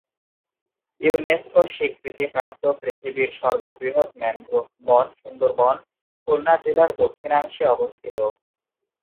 UNESCO স্বীকৃতি প্রাপ্ত পৃথিবীর সর্ব বৃহৎ ম্যানগ্রোভ বন সুন্দরবন খুলনা জেলার দক্ষিণাংশে অবস্থিত।